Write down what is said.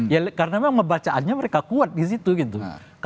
ya karena memang ngebacaannya mereka kuat di situ gitu